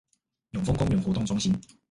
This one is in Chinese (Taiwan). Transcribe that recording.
永豐公園活動中心